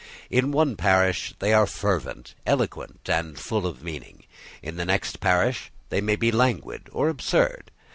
In one parish they are fervent, eloquent, and full of meaning. In the next parish they may be languid or absurd.